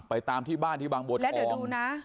ไปตามที่บ้านที่บางบทคอมและเดี๋ยวดูนะ